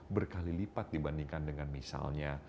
berkali lipat dibandingkan dengan misalnya